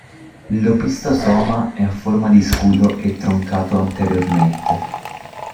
L'opistosoma è a forma di scudo e troncato anteriormente.